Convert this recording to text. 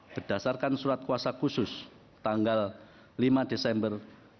berdasarkan surat kuasa khusus tanggal lima desember dua ribu dua puluh